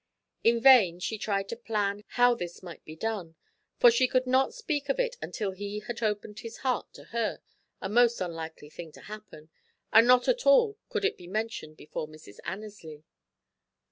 In vain she tried to plan how this might be done, for she could not speak of it until he had opened his heart to her, a most unlikely thing to happen, and not at all could it be mentioned before Mrs. Annesley.